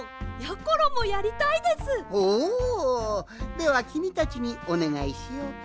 ではきみたちにおねがいしようかのう。